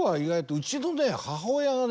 うちのね母親がね